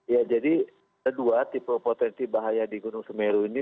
ya jadi kedua tipe potensi bahaya di gunung semeru ini